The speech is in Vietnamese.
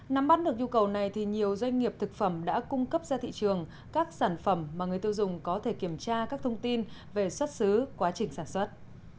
nắm bắt được nhu cầu này thì nhiều doanh nghiệp thực phẩm đã cung cấp ra thị trường các sản phẩm mà người tiêu dùng có thể kiểm tra các thông tin về xuất xứ quá trình sản xuất